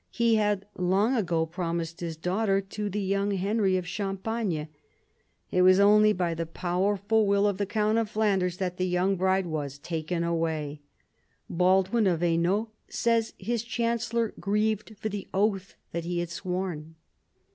He had long ago promised his daughter to the young Henry of Champagne. It was only by the powerful will of the II THE BEGINNINGS OF PHILIP'S POWER 25 count of Flanders that the young bride was taken away. Baldwin of Hainault, says his chancellor, grieved for the oath that he had sworn.